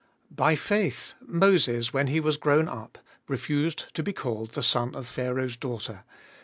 By faith Moses, when he was grown up, refused to be called the son of Pharaoh's daughter ; 25.